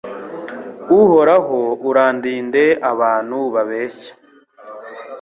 Uhoraho urandinde abantu babeshya